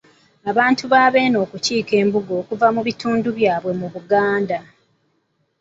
Abantu ba Beene okukiika embuga okuva mu bitundu byabwe mu Buganda.